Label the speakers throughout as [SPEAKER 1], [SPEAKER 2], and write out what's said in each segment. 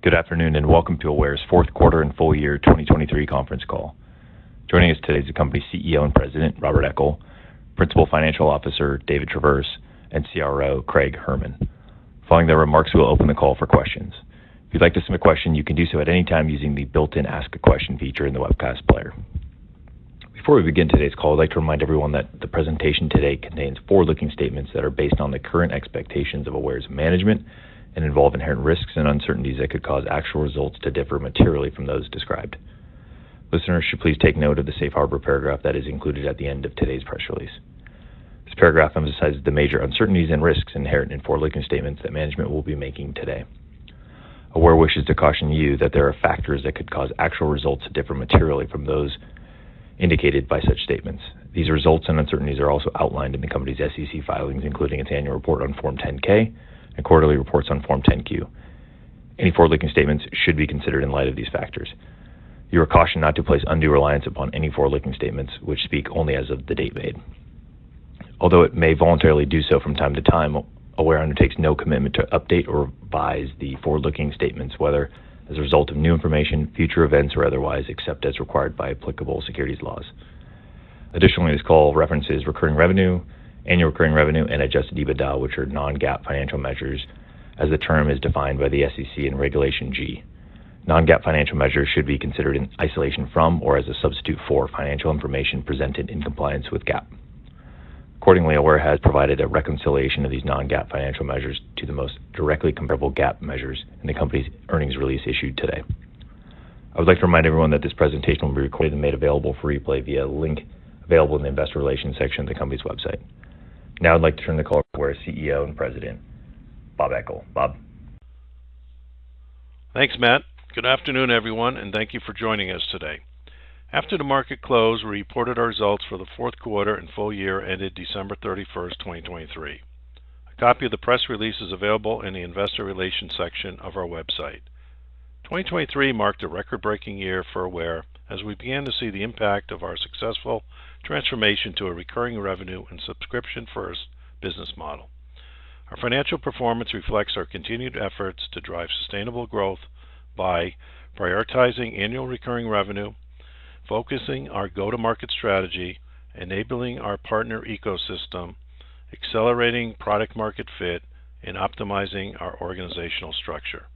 [SPEAKER 1] Good afternoon, and welcome to Aware's fourth quarter and full year 2023 conference call. Joining us today is the company's CEO and President, Robert Eckel, Principal Financial Officer, David Traverse, and CRO, Craig Herman. Following their remarks, we'll open the call for questions. If you'd like to submit a question, you can do so at any time using the built-in Ask a Question feature in the webcast player. Before we begin today's call, I'd like to remind everyone that the presentation today contains forward-looking statements that are based on the current expectations of Aware's management and involve inherent risks and uncertainties that could cause actual results to differ materially from those described. Listeners should please take note of the safe harbor paragraph that is included at the end of today's press release. This paragraph emphasizes the major uncertainties and risks inherent in forward-looking statements that management will be making today. Aware wishes to caution you that there are factors that could cause actual results to differ materially from those indicated by such statements. These results and uncertainties are also outlined in the company's SEC filings, including its annual report on Form 10-K and quarterly reports on Form 10-Q. Any forward-looking statements should be considered in light of these factors. You are cautioned not to place undue reliance upon any forward-looking statements, which speak only as of the date made. Although it may voluntarily do so from time to time, Aware undertakes no commitment to update or revise the forward-looking statements, whether as a result of new information, future events, or otherwise, except as required by applicable securities laws. Additionally, this call references recurring revenue, annual recurring revenue, and adjusted EBITDA, which are non-GAAP financial measures as the term is defined by the SEC in Regulation G. Non-GAAP financial measures should be considered in isolation from or as a substitute for financial information presented in compliance with GAAP. Accordingly, Aware has provided a reconciliation of these non-GAAP financial measures to the most directly comparable GAAP measures in the company's earnings release issued today. I would like to remind everyone that this presentation will be recorded and made available for replay via a link available in the Investor Relations section of the company's website. Now I'd like to turn the call over to our CEO and President, Bob Eckel. Bob?
[SPEAKER 2] Thanks, Matt. Good afternoon, everyone, and thank you for joining us today. After the market close, we reported our results for the fourth quarter and full year ended December 31, 2023. A copy of the press release is available in the Investor Relations section of our website. 2023 marked a record-breaking year for Aware as we began to see the impact of our successful transformation to a recurring revenue and subscription-first business model. Our financial performance reflects our continued efforts to drive sustainable growth by prioritizing annual recurring revenue, focusing our go-to-market strategy, enabling our partner ecosystem, accelerating product-market fit, and optimizing our organizational structure.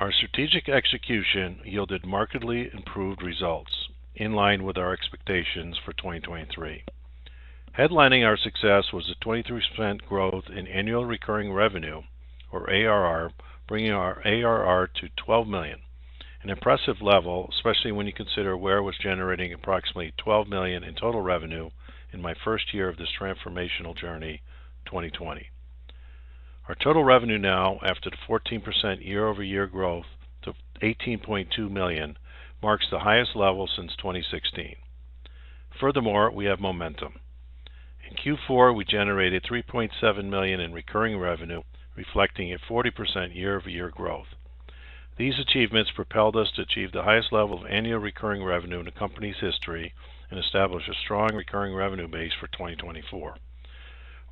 [SPEAKER 2] Our strategic execution yielded markedly improved results in line with our expectations for 2023. Headlining our success was a 23% growth in annual recurring revenue, or ARR, bringing our ARR to $12 million. An impressive level, especially when you consider Aware was generating approximately $12 million in total revenue in my first year of this transformational journey, 2020. Our total revenue now, after the 14% year-over-year growth to $18.2 million, marks the highest level since 2016. Furthermore, we have momentum. In Q4, we generated $3.7 million in recurring revenue, reflecting a 40% year-over-year growth. These achievements propelled us to achieve the highest level of annual recurring revenue in the company's history and establish a strong recurring revenue base for 2024.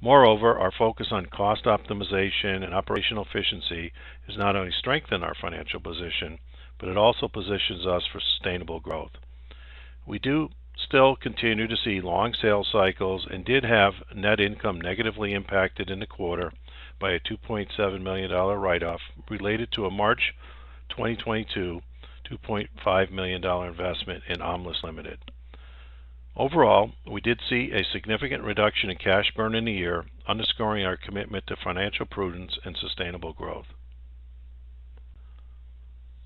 [SPEAKER 2] Moreover, our focus on cost optimization and operational efficiency has not only strengthened our financial position, but it also positions us for sustainable growth. We do still continue to see long sales cycles and did have net income negatively impacted in the quarter by a $2.7 million write-off related to a March 2022, $2.5 million investment in Omlis Limited. Overall, we did see a significant reduction in cash burn in the year, underscoring our commitment to financial prudence and sustainable growth.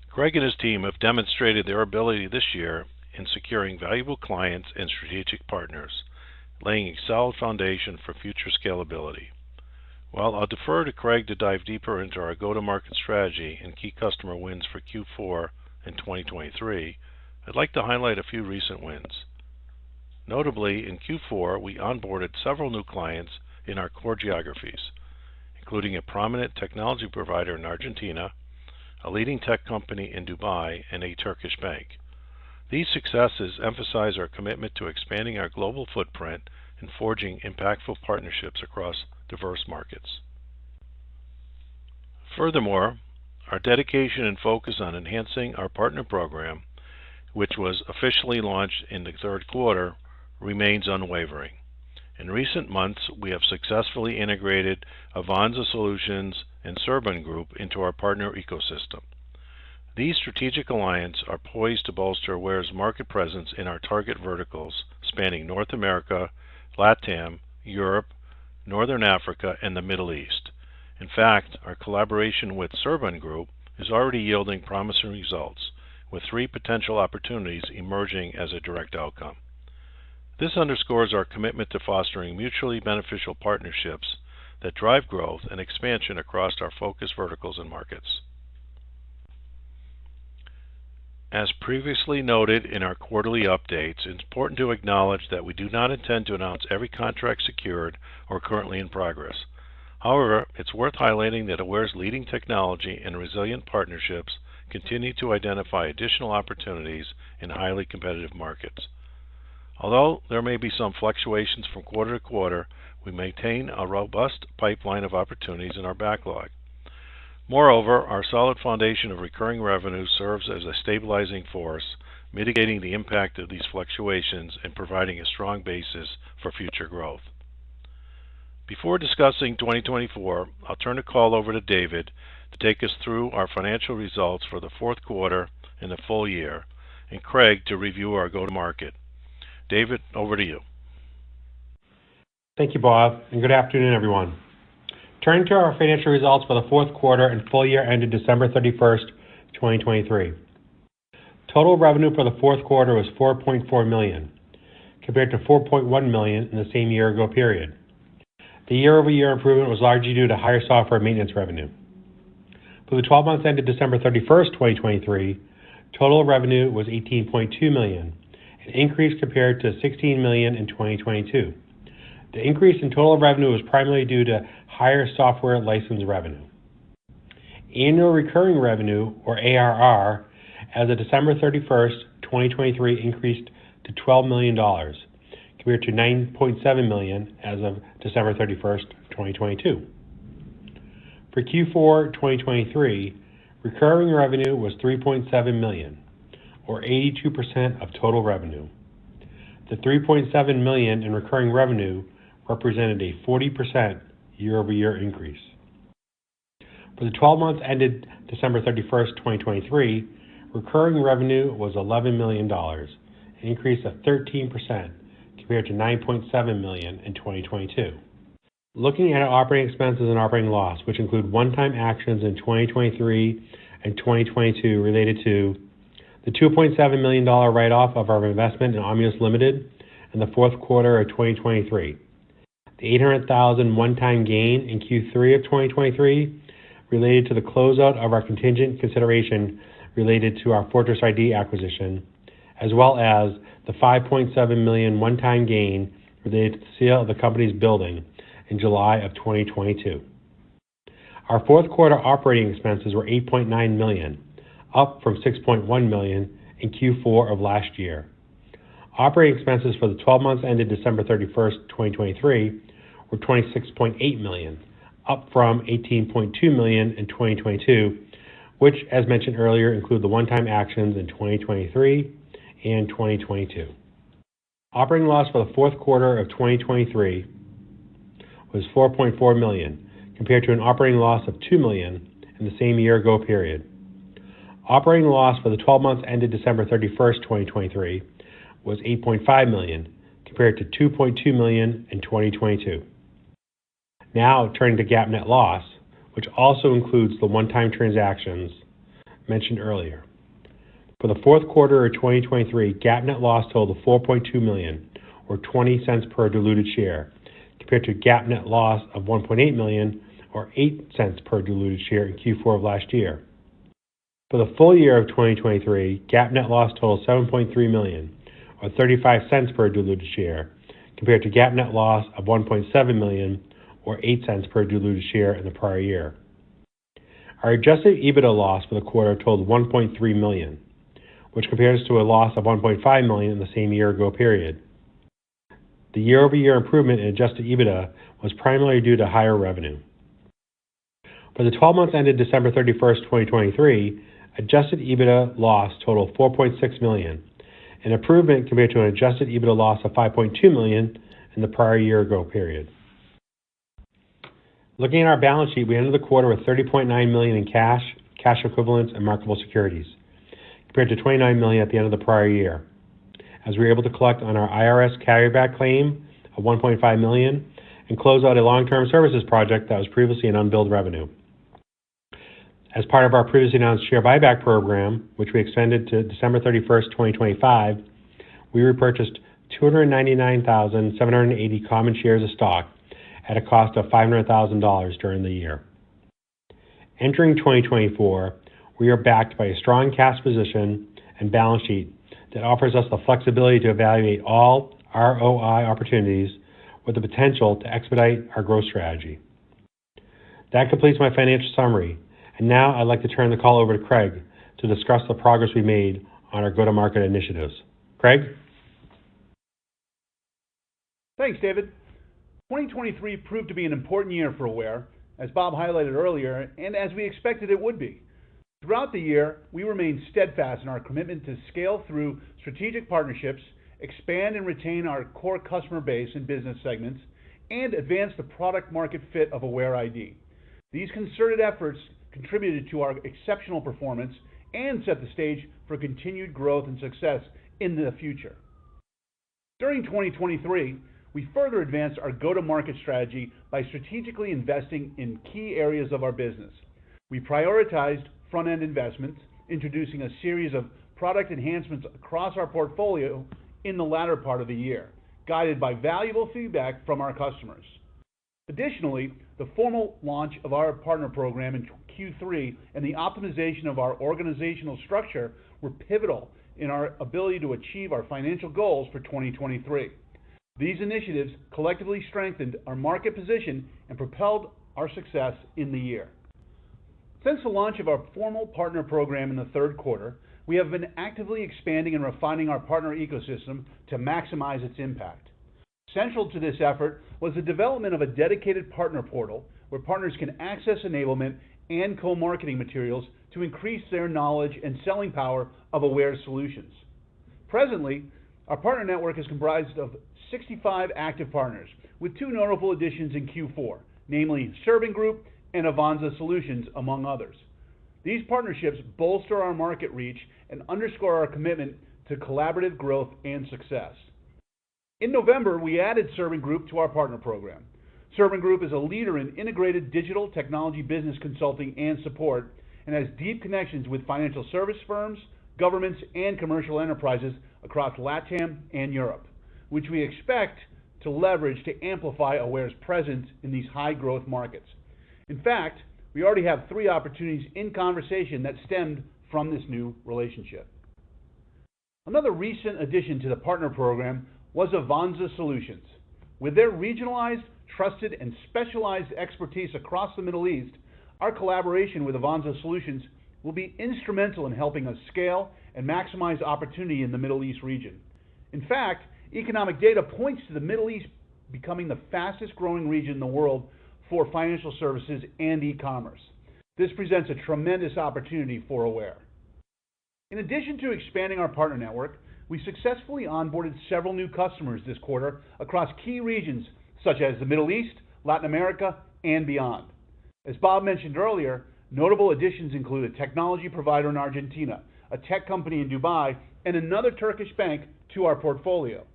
[SPEAKER 2] Craig and his team have demonstrated their ability this year in securing valuable clients and strategic partners, laying a solid foundation for future scalability. While I'll defer to Craig to dive deeper into our go-to-market strategy and key customer wins for Q4 in 2023, I'd like to highlight a few recent wins. Notably, in Q4, we onboarded several new clients in our core geographies, including a prominent technology provider in Argentina, a leading tech company in Dubai, and a Turkish bank. These successes emphasize our commitment to expanding our global footprint and forging impactful partnerships across diverse markets. Furthermore, our dedication and focus on enhancing our partner program, which was officially launched in the third quarter, remains unwavering. In recent months, we have successfully integrated Avanza Solutions and Serban Group into our partner ecosystem. These strategic alliances are poised to bolster Aware's market presence in our target verticals, spanning North America, LATAM, Europe, Northern Africa, and the Middle East. In fact, our collaboration with Serban Group is already yielding promising results, with three potential opportunities emerging as a direct outcome. This underscores our commitment to fostering mutually beneficial partnerships that drive growth and expansion across our focus verticals and markets. As previously noted in our quarterly updates, it's important to acknowledge that we do not intend to announce every contract secured or currently in progress. However, it's worth highlighting that Aware's leading technology and resilient partnerships continue to identify additional opportunities in highly competitive markets. Although there may be some fluctuations from quarter to quarter, we maintain a robust pipeline of opportunities in our backlog. Moreover, our solid foundation of recurring revenue serves as a stabilizing force, mitigating the impact of these fluctuations and providing a strong basis for future growth. Before discussing 2024, I'll turn the call over to David to take us through our financial results for the fourth quarter and the full year, and Craig to review our go-to-market. David, over to you.
[SPEAKER 3] Thank you, Bob, and good afternoon, everyone. Turning to our financial results for the fourth quarter and full year ended December 31, 2023. Total revenue for the fourth quarter was $4.4 million, compared to $4.1 million in the same year ago period. The year-over-year improvement was largely due to higher software maintenance revenue. For the 12 months ended December 31, 2023, total revenue was $18.2 million, an increase compared to $16 million in 2022. The increase in total revenue was primarily due to higher software license revenue. Annual recurring revenue, or ARR, as of December 31, 2023, increased to $12 million, compared to $9.7 million as of December 31, 2022. For Q4 2023, recurring revenue was $3.7 million, or 82% of total revenue. The $3.7 million in recurring revenue represented a 40% year-over-year increase. For the twelve months ended December 31, 2023, recurring revenue was $11 million, an increase of 13% compared to $9.7 million in 2022. Looking at operating expenses and operating loss, which include one-time actions in 2023 and 2022 related to the $2.7 million write-off of our investment in Omlis Limited in the fourth quarter of 2023, the $800,000 one-time gain in Q3 of 2023 related to the close out of our contingent consideration related to our Fortress ID acquisition, as well as the $5.7 million one-time gain related to the sale of the company's building in July of 2022. Our fourth quarter operating expenses were $8.9 million, up from $6.1 million in Q4 of last year. Operating expenses for the twelve months ended December 31, 2023, were $26.8 million, up from $18.2 million in 2022, which, as mentioned earlier, include the one-time actions in 2023 and 2022. Operating loss for the fourth quarter of 2023 was $4.4 million, compared to an operating loss of $2 million in the same year ago period. Operating loss for the twelve months ended December 31, 2023, was $8.5 million, compared to $2.2 million in 2022. Now, turning to GAAP net loss, which also includes the one-time transactions mentioned earlier. For the fourth quarter of 2023, GAAP net loss totaled $4.2 million, or $0.20 per diluted share, compared to GAAP net loss of $1.8 million, or $0.08 per diluted share in Q4 of last year. For the full year of 2023, GAAP net loss totaled $7.3 million, or $0.35 per diluted share, compared to GAAP net loss of $1.7 million, or $0.08 per diluted share in the prior year. Our Adjusted EBITDA loss for the quarter totaled $1.3 million, which compares to a loss of $1.5 million in the same year ago period. The year-over-year improvement in Adjusted EBITDA was primarily due to higher revenue. For the twelve months ended December 31, 2023, adjusted EBITDA loss totaled $4.6 million, an improvement compared to an adjusted EBITDA loss of $5.2 million in the prior year-ago period. Looking at our balance sheet, we ended the quarter with $30.9 million in cash, cash equivalents, and marketable securities, compared to $29 million at the end of the prior year, as we were able to collect on our IRS carryback claim of $1.5 million and close out a long-term services project that was previously an unbilled revenue. As part of our previously announced share buyback program, which we extended to December 31, 2025, we repurchased 299,780 common shares of stock at a cost of $500,000 during the year. Entering 2024, we are backed by a strong cash position and balance sheet that offers us the flexibility to evaluate all ROI opportunities with the potential to expedite our growth strategy. That completes my financial summary. Now I'd like to turn the call over to Craig to discuss the progress we made on our go-to-market initiatives. Craig?
[SPEAKER 4] Thanks, David. 2023 proved to be an important year for Aware, as Bob highlighted earlier, and as we expected it would be. Throughout the year, we remained steadfast in our commitment to scale through strategic partnerships, expand and retain our core customer base and business segments, and advance the product market fit of AwareID. These concerted efforts contributed to our exceptional performance and set the stage for continued growth and success in the future. During 2023, we further advanced our go-to-market strategy by strategically investing in key areas of our business. We prioritized front-end investments, introducing a series of product enhancements across our portfolio in the latter part of the year, guided by valuable feedback from our customers. Additionally, the formal launch of our partner program in Q3 and the optimization of our organizational structure were pivotal in our ability to achieve our financial goals for 2023. These initiatives collectively strengthened our market position and propelled our success in the year.... Since the launch of our formal partner program in the third quarter, we have been actively expanding and refining our partner ecosystem to maximize its impact. Central to this effort was the development of a dedicated partner portal, where partners can access enablement and co-marketing materials to increase their knowledge and selling power of Aware's solutions. Presently, our partner network is comprised of 65 active partners, with two notable additions in Q4, namely, Serban Group and Avanza Solutions, among others. These partnerships bolster our market reach and underscore our commitment to collaborative growth and success. In November, we added Serban Group to our partner program. Serban Group is a leader in integrated digital technology business consulting and support, and has deep connections with financial service firms, governments, and commercial enterprises across LATAM and Europe, which we expect to leverage to amplify Aware's presence in these high-growth markets. In fact, we already have three opportunities in conversation that stemmed from this new relationship. Another recent addition to the partner program was Avanza Solutions. With their regionalized, trusted, and specialized expertise across the Middle East, our collaboration with Avanza Solutions will be instrumental in helping us scale and maximize opportunity in the Middle East region. In fact, economic data points to the Middle East becoming the fastest-growing region in the world for financial services and e-commerce. This presents a tremendous opportunity for Aware. In addition to expanding our partner network, we successfully onboarded several new customers this quarter across key regions such as the Middle East, Latin America, and beyond. As Bob mentioned earlier, notable additions include a technology provider in Argentina, a tech company in Dubai, and another Turkish bank to our portfolio.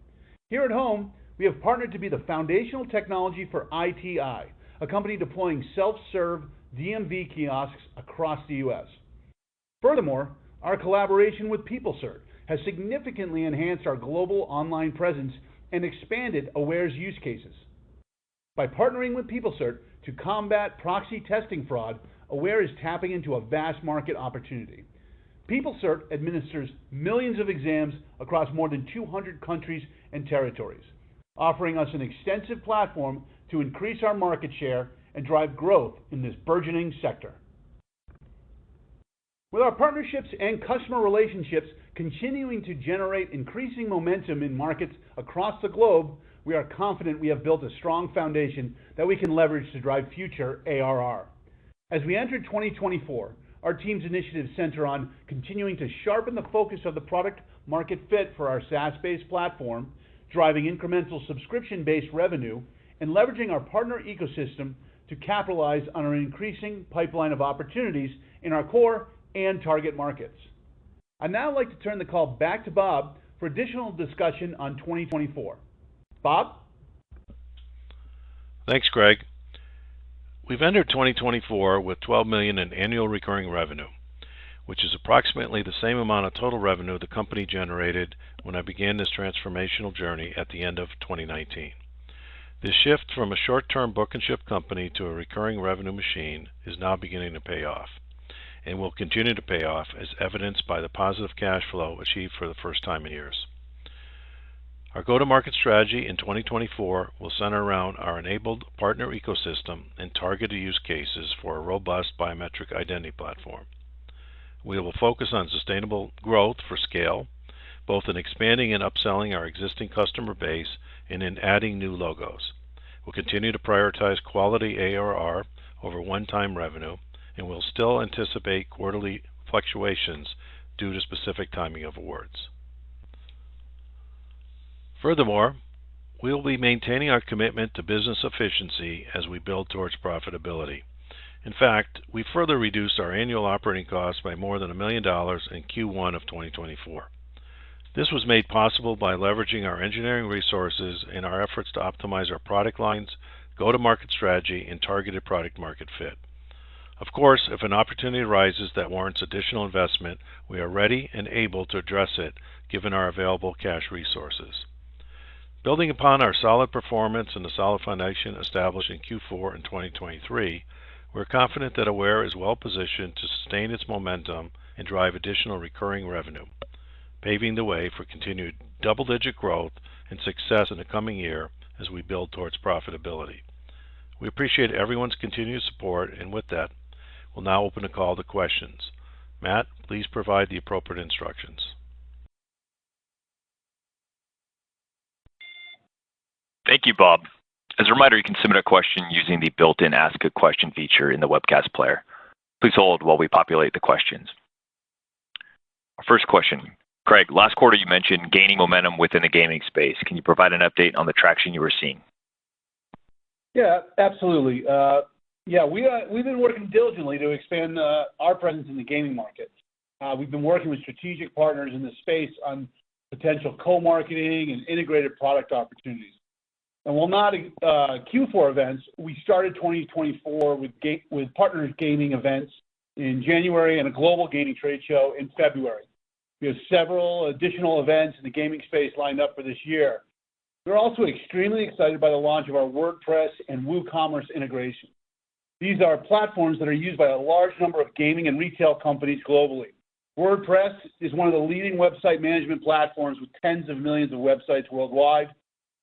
[SPEAKER 4] Here at home, we have partnered to be the foundational technology for ITI, a company deploying self-serve DMV kiosks across the U.S. Furthermore, our collaboration with PeopleCert has significantly enhanced our global online presence and expanded Aware's use cases. By partnering with PeopleCert to combat proxy testing fraud, Aware is tapping into a vast market opportunity. PeopleCert administers millions of exams across more than 200 countries and territories, offering us an extensive platform to increase our market share and drive growth in this burgeoning sector. With our partnerships and customer relationships continuing to generate increasing momentum in markets across the globe, we are confident we have built a strong foundation that we can leverage to drive future ARR. As we enter 2024, our team's initiatives center on continuing to sharpen the focus of the product market fit for our SaaS-based platform, driving incremental subscription-based revenue, and leveraging our partner ecosystem to capitalize on our increasing pipeline of opportunities in our core and target markets. I'd now like to turn the call back to Bob for additional discussion on 2024. Bob?
[SPEAKER 2] Thanks, Craig. We've entered 2024 with $12 million in annual recurring revenue, which is approximately the same amount of total revenue the company generated when I began this transformational journey at the end of 2019. This shift from a short-term book-and-ship company to a recurring revenue machine is now beginning to pay off and will continue to pay off, as evidenced by the positive cash flow achieved for the first time in years. Our go-to-market strategy in 2024 will center around our enabled partner ecosystem and targeted use cases for a robust biometric identity platform. We will focus on sustainable growth for scale, both in expanding and upselling our existing customer base and in adding new logos. We'll continue to prioritize quality ARR over one-time revenue, and we'll still anticipate quarterly fluctuations due to specific timing of awards. Furthermore, we'll be maintaining our commitment to business efficiency as we build towards profitability. In fact, we further reduced our annual operating costs by more than $1 million in Q1 of 2024. This was made possible by leveraging our engineering resources in our efforts to optimize our product lines, go-to-market strategy, and targeted product market fit. Of course, if an opportunity arises that warrants additional investment, we are ready and able to address it, given our available cash resources. Building upon our solid performance and the solid foundation established in Q4 in 2023, we're confident that Aware is well-positioned to sustain its momentum and drive additional recurring revenue, paving the way for continued double-digit growth and success in the coming year as we build towards profitability. We appreciate everyone's continued support, and with that, we'll now open the call to questions. Matt, please provide the appropriate instructions.
[SPEAKER 1] Thank you, Bob. As a reminder, you can submit a question using the built-in Ask a Question feature in the webcast player. Please hold while we populate the questions. First question: Craig, last quarter you mentioned gaining momentum within the gaming space. Can you provide an update on the traction you were seeing?
[SPEAKER 4] Yeah, absolutely. Yeah, we've been working diligently to expand our presence in the gaming market. We've been working with strategic partners in this space on potential co-marketing and integrated product opportunities. While not Q4 events, we started 2024 with partners gaming events in January and a global gaming trade show in February. We have several additional events in the gaming space lined up for this year. We're also extremely excited by the launch of our WordPress and WooCommerce integration. These are platforms that are used by a large number of gaming and retail companies globally. WordPress is one of the leading website management platforms with tens of millions of websites worldwide.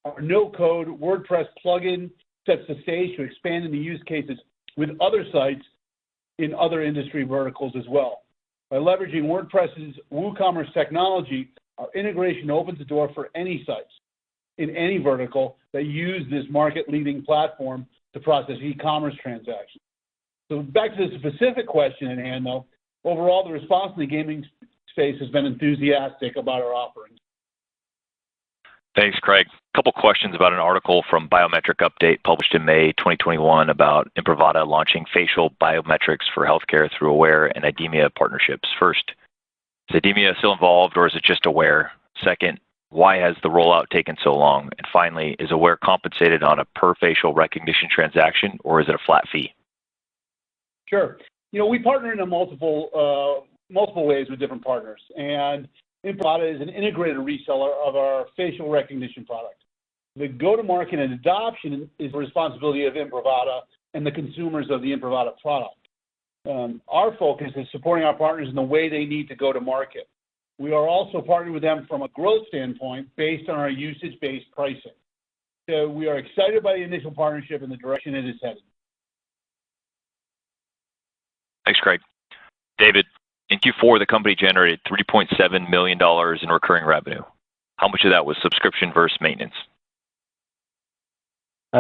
[SPEAKER 4] Our no-code WordPress plugin sets the stage for expanding the use cases with other sites in other industry verticals as well. By leveraging WordPress's WooCommerce technology, our integration opens the door for any sites in any vertical that use this market-leading platform to process e-commerce transactions. So back to the specific question at hand, though. Overall, the response in the gaming space has been enthusiastic about our offerings.
[SPEAKER 1] Thanks, Craig. Couple questions about an article from Biometric Update, published in May 2021, about Imprivata launching facial biometrics for healthcare through Aware and IDEMIA partnerships. First, is IDEMIA still involved, or is it just Aware? Second, why has the rollout taken so long? And finally, is Aware compensated on a per facial recognition transaction, or is it a flat fee?
[SPEAKER 4] Sure. You know, we partner in a multiple, multiple ways with different partners, and Imprivata is an integrated reseller of our facial recognition product. The go-to-market and adoption is the responsibility of Imprivata and the consumers of the Imprivata product. Our focus is supporting our partners in the way they need to go to market. We are also partnering with them from a growth standpoint based on our usage-based pricing. So we are excited by the initial partnership and the direction it is headed.
[SPEAKER 1] Thanks, Craig. David, in Q4, the company generated $3.7 million in recurring revenue. How much of that was subscription versus maintenance?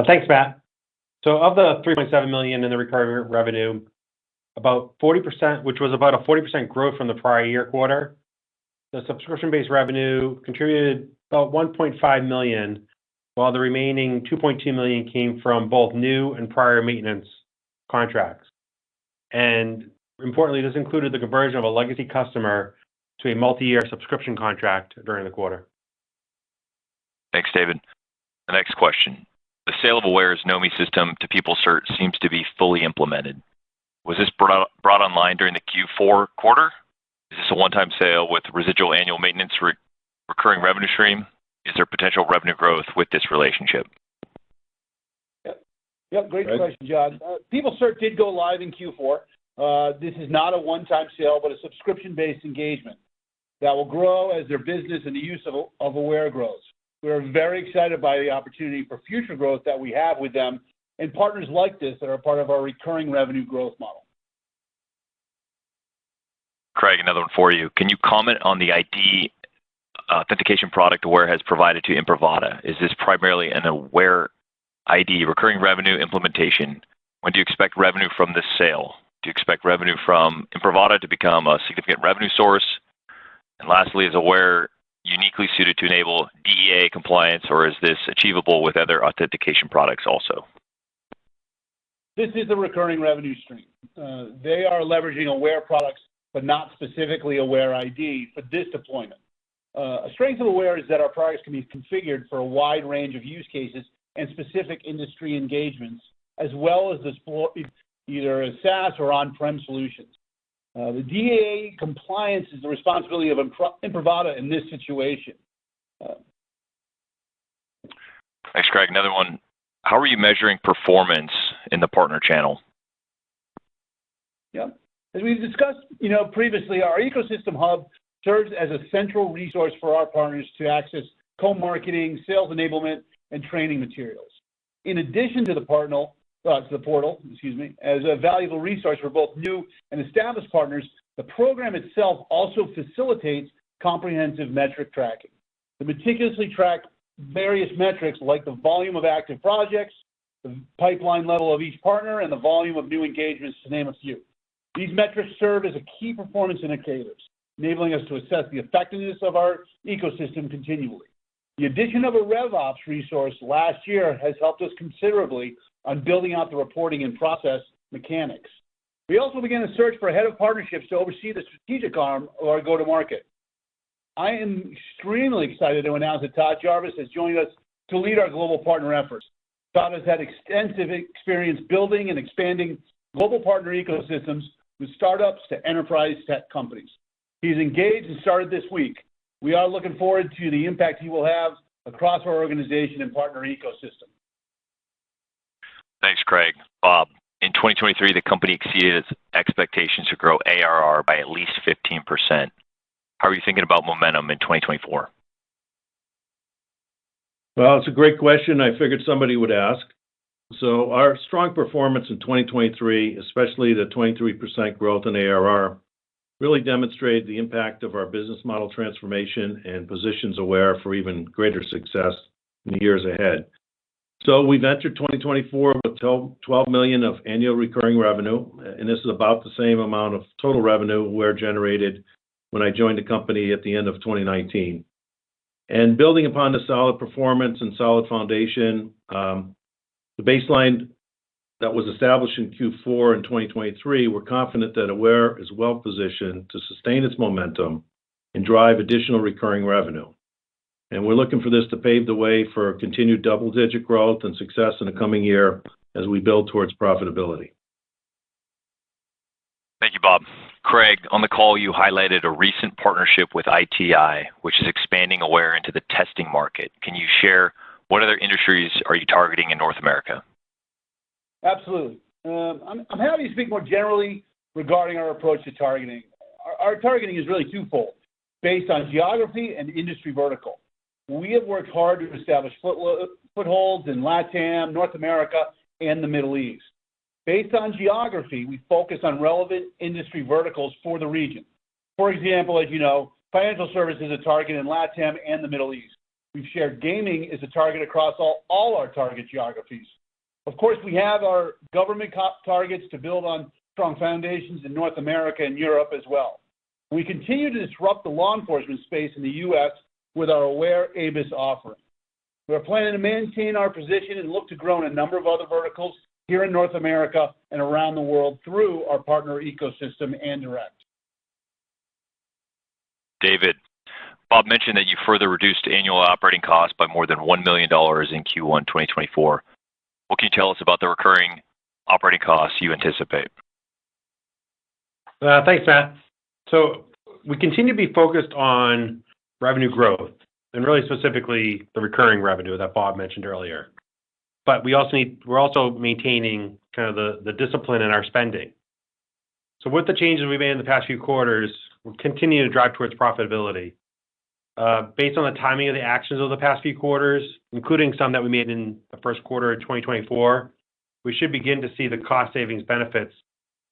[SPEAKER 3] Thanks, Matt. So of the $3.7 million in the recurring revenue, about 40%, which was about a 40% growth from the prior year quarter, the subscription-based revenue contributed about $1.5 million, while the remaining $2.2 million came from both new and prior maintenance contracts. And importantly, this included the conversion of a legacy customer to a multi-year subscription contract during the quarter.
[SPEAKER 1] Thanks, David. The next question: The sale of Aware's Knomi system to PeopleCert seems to be fully implemented. Was this brought online during the Q4 quarter? Is this a one-time sale with residual annual maintenance recurring revenue stream? Is there potential revenue growth with this relationship?
[SPEAKER 4] Yep. Yep, great question, John. PeopleCert did go live in Q4. This is not a one-time sale, but a subscription-based engagement that will grow as their business and the use of Aware grows. We are very excited by the opportunity for future growth that we have with them and partners like this that are part of our recurring revenue growth model.
[SPEAKER 1] Craig, another one for you. Can you comment on the ID authentication product Aware has provided to Imprivata? Is this primarily an Aware ID recurring revenue implementation? When do you expect revenue from this sale? Do you expect revenue from Imprivata to become a significant revenue source? And lastly, is Aware uniquely suited to enable DEA compliance, or is this achievable with other authentication products also?
[SPEAKER 4] This is a recurring revenue stream. They are leveraging Aware products, but not specifically Aware ID for this deployment. A strength of Aware is that our products can be configured for a wide range of use cases and specific industry engagements, as well as this for either a SaaS or on-prem solutions. The DEA compliance is the responsibility of Imprivata in this situation.
[SPEAKER 1] Thanks, Craig. Another one. How are you measuring performance in the partner channel?
[SPEAKER 4] Yep. As we've discussed, you know, previously, our ecosystem hub serves as a central resource for our partners to access co-marketing, sales enablement, and training materials. In addition to the portal, excuse me, as a valuable resource for both new and established partners, the program itself also facilitates comprehensive metric tracking. We meticulously track various metrics, like the volume of active projects, the pipeline level of each partner, and the volume of new engagements, to name a few. These metrics serve as a key performance indicators, enabling us to assess the effectiveness of our ecosystem continually. The addition of a RevOps resource last year has helped us considerably on building out the reporting and process mechanics. We also began a search for a head of partnerships to oversee the strategic arm of our go-to-market. I am extremely excited to announce that Todd Jarvis has joined us to lead our global partner efforts. Todd has had extensive experience building and expanding global partner ecosystems with startups to enterprise tech companies. He's engaged and started this week. We are looking forward to the impact he will have across our organization and partner ecosystem.
[SPEAKER 1] Thanks, Craig. Bob, in 2023, the company exceeded its expectations to grow ARR by at least 15%. How are you thinking about momentum in 2024?
[SPEAKER 2] Well, it's a great question. I figured somebody would ask. So our strong performance in 2023, especially the 23% growth in ARR, really demonstrated the impact of our business model transformation and positions Aware for even greater success in the years ahead. So we entered 2024 with $12 million of annual recurring revenue, and this is about the same amount of total revenue Aware generated when I joined the company at the end of 2019. Building upon the solid performance and solid foundation, the baseline that was established in Q4 in 2023, we're confident that Aware is well-positioned to sustain its momentum and drive additional recurring revenue. We're looking for this to pave the way for continued double-digit growth and success in the coming year as we build towards profitability.
[SPEAKER 1] Thank you, Bob. Craig, on the call, you highlighted a recent partnership with ITI, which is expanding Aware into the testing market. Can you share what other industries are you targeting in North America?...
[SPEAKER 4] Absolutely. I'm happy to speak more generally regarding our approach to targeting. Our targeting is really twofold: based on geography and industry vertical. We have worked hard to establish footholds in LATAM, North America, and the Middle East. Based on geography, we focus on relevant industry verticals for the region. For example, as you know, financial service is a target in LATAM and the Middle East. We've shared gaming is a target across all our target geographies. Of course, we have our government core targets to build on strong foundations in North America and Europe as well. We continue to disrupt the law enforcement space in the U.S. with our AwareABIS offering. We are planning to maintain our position and look to grow in a number of other verticals here in North America and around the world through our partner ecosystem and direct.
[SPEAKER 1] David, Bob mentioned that you further reduced annual operating costs by more than $1 million in Q1 2024. What can you tell us about the recurring operating costs you anticipate?
[SPEAKER 3] Thanks, Matt. So we continue to be focused on revenue growth and really specifically the recurring revenue that Bob mentioned earlier. But we're also maintaining kind of the discipline in our spending. So with the changes we've made in the past few quarters, we'll continue to drive towards profitability. Based on the timing of the actions over the past few quarters, including some that we made in the first quarter of 2024, we should begin to see the cost savings benefits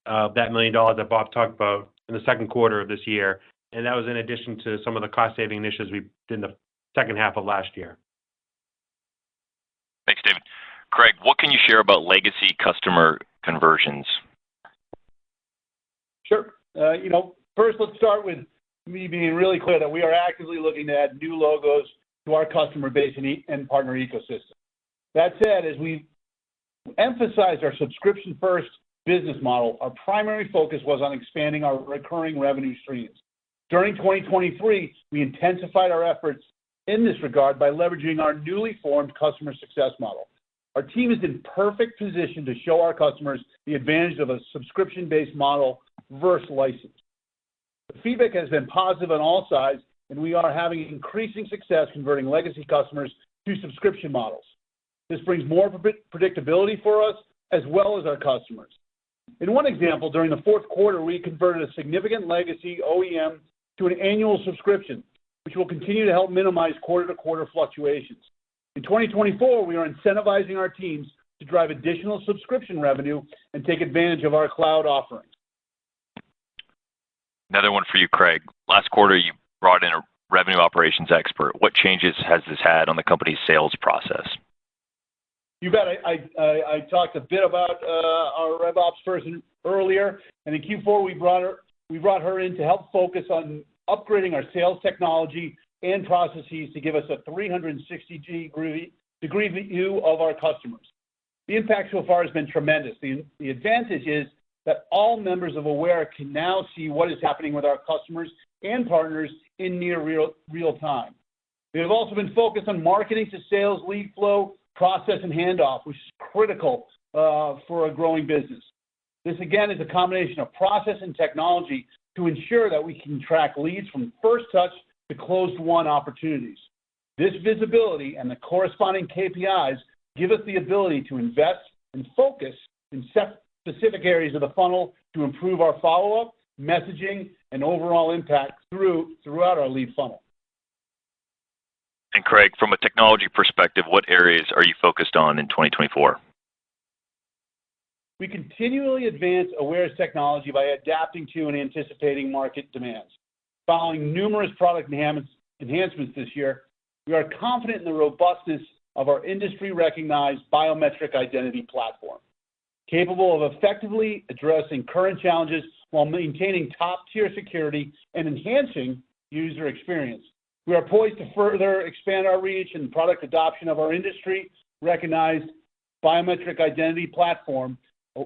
[SPEAKER 3] of that $1 million that Bob talked about in the second quarter of this year, and that was in addition to some of the cost-saving initiatives we did in the second half of last year.
[SPEAKER 1] Thanks, David. Craig, what can you share about legacy customer conversions?
[SPEAKER 4] Sure. You know, first, let's start with me being really clear that we are actively looking to add new logos to our customer base and partner ecosystem. That said, as we emphasized our subscription-first business model, our primary focus was on expanding our recurring revenue streams. During 2023, we intensified our efforts in this regard by leveraging our newly formed customer success model. Our team is in perfect position to show our customers the advantage of a subscription-based model versus license. The feedback has been positive on all sides, and we are having increasing success converting legacy customers to subscription models. This brings more predictability for us as well as our customers. In one example, during the fourth quarter, we converted a significant legacy OEM to an annual subscription, which will continue to help minimize quarter-to-quarter fluctuations. In 2024, we are incentivizing our teams to drive additional subscription revenue and take advantage of our cloud offerings.
[SPEAKER 1] Another one for you, Craig. Last quarter, you brought in a revenue operations expert. What changes has this had on the company's sales process?
[SPEAKER 4] You bet. I talked a bit about our RevOps person earlier. In Q4, we brought her in to help focus on upgrading our sales technology and processes to give us a 360-degree view of our customers. The impact so far has been tremendous. The advantage is that all members of Aware can now see what is happening with our customers and partners in near real time. We have also been focused on marketing to sales lead flow, process, and handoff, which is critical for a growing business. This, again, is a combination of process and technology to ensure that we can track leads from first touch to closed-won opportunities. This visibility and the corresponding KPIs give us the ability to invest and focus in set specific areas of the funnel to improve our follow-up, messaging, and overall impact throughout our lead funnel.
[SPEAKER 1] Craig, from a technology perspective, what areas are you focused on in 2024?
[SPEAKER 4] We continually advance Aware's technology by adapting to and anticipating market demands. Following numerous product enhancements this year, we are confident in the robustness of our industry-recognized biometric identity platform, capable of effectively addressing current challenges while maintaining top-tier security and enhancing user experience. We are poised to further expand our reach and product adoption of our industry-recognized biometric identity platform, a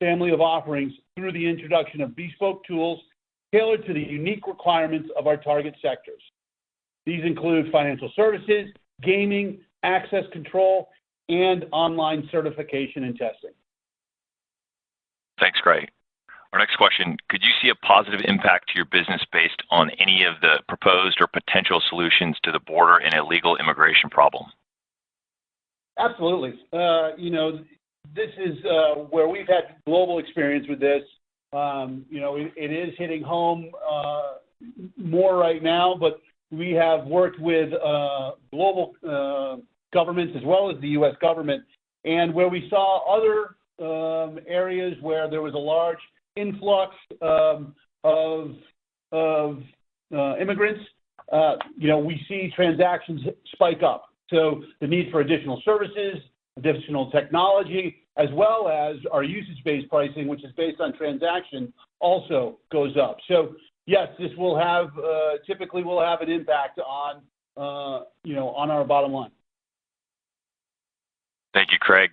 [SPEAKER 4] family of offerings, through the introduction of bespoke tools tailored to the unique requirements of our target sectors. These include financial services, gaming, access control, and online certification and testing.
[SPEAKER 1] Thanks, Craig. Our next question: could you see a positive impact to your business based on any of the proposed or potential solutions to the border and illegal immigration problem?
[SPEAKER 4] Absolutely. You know, this is where we've had global experience with this. You know, it is hitting home more right now, but we have worked with global governments as well as the U.S. government. And where we saw other areas where there was a large influx of immigrants, you know, we see transactions spike up. So the need for additional services, additional technology, as well as our usage-based pricing, which is based on transaction, also goes up. So yes, this will have typically will have an impact on you know, on our bottom line.
[SPEAKER 1] Thank you, Craig.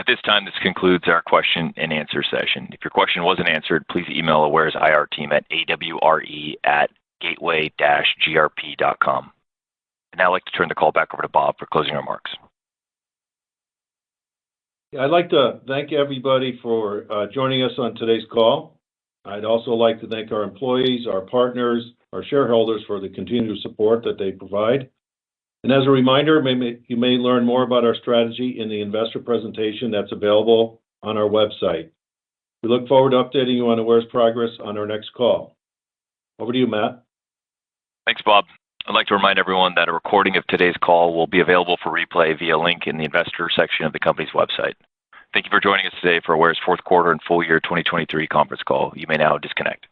[SPEAKER 1] At this time, this concludes our question-and-answer session. If your question wasn't answered, please email Aware's IR team at awre@gateway-grp.com. I'd now like to turn the call back over to Bob for closing remarks.
[SPEAKER 2] I'd like to thank everybody for joining us on today's call. I'd also like to thank our employees, our partners, our shareholders for the continued support that they provide. As a reminder, you may learn more about our strategy in the investor presentation that's available on our website. We look forward to updating you on Aware's progress on our next call. Over to you, Matt.
[SPEAKER 1] Thanks, Bob. I'd like to remind everyone that a recording of today's call will be available for replay via link in the investor section of the company's website. Thank you for joining us today for Aware's fourth quarter and full year 2023 conference call. You may now disconnect.